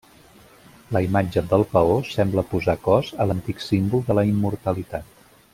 La imatge del paó sembla posar cos a l'antic símbol de la immortalitat.